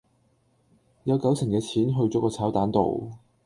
有九成嘅錢去咗個炒蛋度